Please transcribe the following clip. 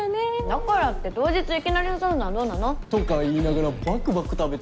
だからって当日いきなり誘うのはどうなの？とか言いながらバクバク食べてるし。